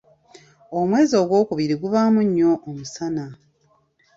Omwezi ogwokubiri gubaamu nnyo omusana.